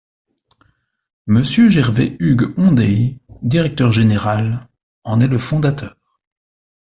Monsieur Gervais Hugues Ondaye directeur général en est le fondateur.